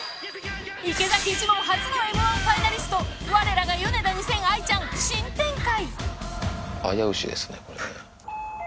池崎一門初のＭ−１ファイナリストわれらがヨネダ２０００・愛ちゃん新展開！